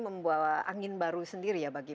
membawa angin baru sendiri ya bagi